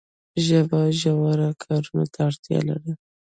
ژبه ژورو کارونو ته اړتیا لري.